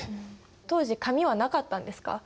当時紙はなかったんですか？